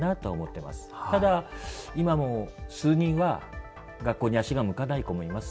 ただ今も数人は学校に足が向かない子もいます。